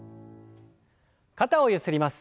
肩をゆすります。